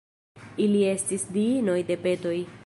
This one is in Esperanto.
Ili estis diinoj de petoj.